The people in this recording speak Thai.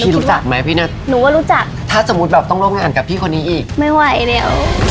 พี่รู้จักมั้ยพี่นัทถ้าสมมติแบบต้องโรคงานกับพี่คนนี้อีกไม่ไหวเดี๋ยว